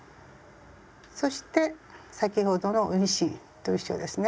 そして先ほどの運針と一緒ですね。